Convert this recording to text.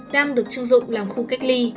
đang được trưng dụng làm khu cách ly